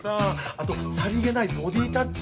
あとさりげないボディータッチ？